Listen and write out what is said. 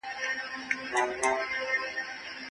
دیوان سالاري ورځ تر بلې زیاتیږي.